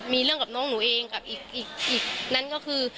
มีเรื่องกับน้องหนูเองกับอีกนั้นก็คือ